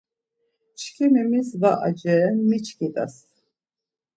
Çkimi mis var aceren miçkit̆as.